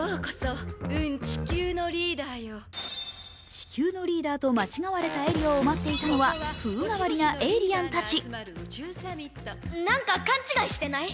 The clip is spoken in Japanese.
地球のリーダーと間違われたエリオを待っていたのは風変わりなエイリアンたち。